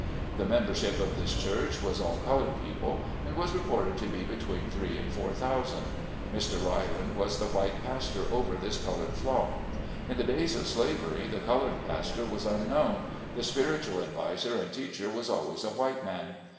The mem bership of this church was all colored people, and was reported to be between three and four thousand. Mr Riland was the white pastor over this colored flock. In the days of slavery the colored pastor was unknown, the spiritual adviser and teacher was always a white man.